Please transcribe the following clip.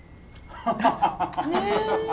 ハハハッ。